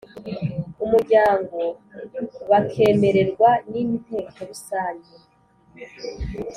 Umuryango bakemererwa n Inteko Rusange